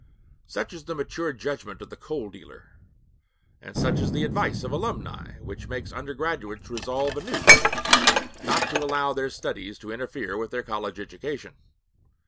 Such is the mature judgment of the coal dealer. And such is the advice of alumni which makes undergraduates resolve anew not to allow their studies to interfere with their college education.